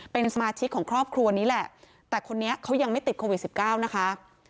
เป็นสมาชิกของครอบครัวนี้แหละแต่คนนี้เขายังไม่ติดโควิด๑๙นะคะ